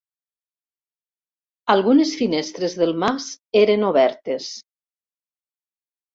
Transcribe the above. Algunes finestres del mas eren obertes.